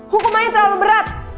hukumannya terlalu berat